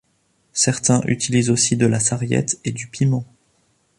Certains utilisent aussi de la sarriette et du piment.